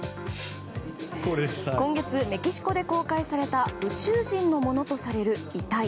今月、メキシコで公開された宇宙人のものとされる遺体。